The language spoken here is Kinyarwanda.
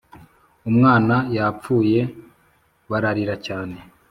Umwana yapfuye bararira cyane.